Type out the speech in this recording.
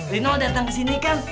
rino datang ke sini kan